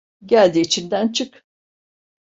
Gel de içinden çık.